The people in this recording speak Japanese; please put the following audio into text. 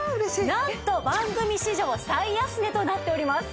なんと番組史上最安値となっております。